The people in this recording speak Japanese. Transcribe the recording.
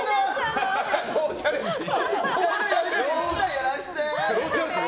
やらせて。